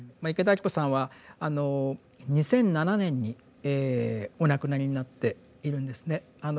池田晶子さんはあの２００７年にお亡くなりになっているんですね。